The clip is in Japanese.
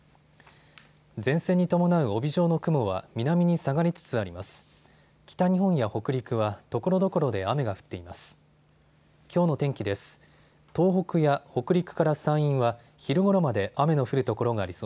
前線に伴う帯状の雲は南に下がりつつあります。